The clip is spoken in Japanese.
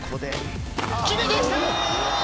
決めてきた！